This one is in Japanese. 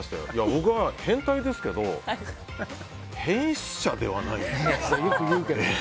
僕は変態ですけど変質者ではない。